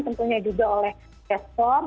tentunya juga oleh tespor